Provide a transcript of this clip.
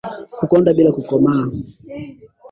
Kukonda bila kukoma